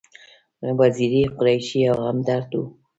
وزیری، قریشي او همدرد و.